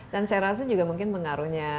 dan saya rasa juga mungkin mengaruhnya